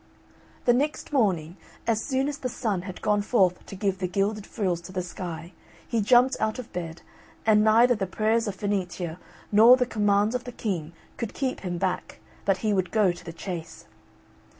The next morning, as soon as the Sun had gone forth to give the gilded frills to the Sky, he jumped out of bed, and neither the prayers of Fenicia, nor the commands of the King could keep him back, but he would go to the chase.